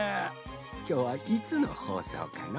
きょうはいつのほうそうかのう？